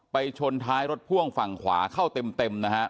ไปชนท้ายรถพ่วงฝั่งขวาเข้าเต็ม